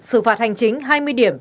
xử phạt hành chính hai mươi điểm